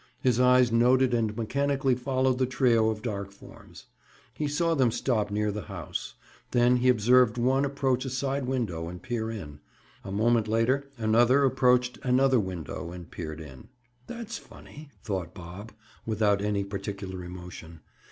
His eyes noted and mechanically followed the trio of dark forms. He saw them stop near the house; then he observed one approach a side window and peer in. A moment later another approached another window and peered in. "That's funny!" thought Bob, without any particular emotion.